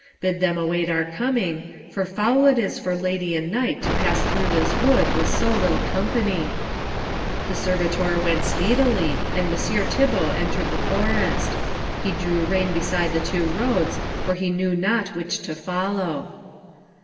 Bid them await our coming, for foul it is for lady and knight to pass through this wood with so little company." The servitor went speedily, and Messire Thibault entered the forest. He drew rein beside the two roads, for he knew not which to follow.